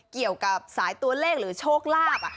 เกี่ยวกับสายตัวเลขหรือโชคลาภ